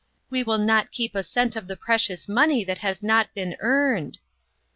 We will not keep a cent of the precious money that has not been earned."